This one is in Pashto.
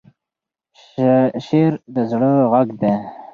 شعر د زړه غږ دی.